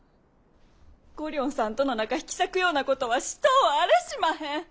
ご寮人さんとの仲引き裂くようなことはしとうあれしまへん。